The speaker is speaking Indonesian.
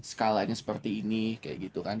skalanya seperti ini kayak gitu kan